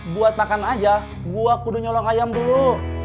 buat makan aja gue kudu nyolong ayam dulu